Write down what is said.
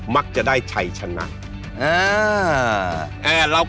มักจะได้ชัยชนะ